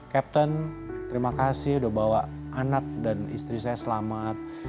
captain terima kasih sudah bawa anak dan istri saya selamat